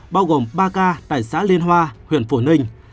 bao gồm ba ca tại xã liên hoa huyện phổ ninh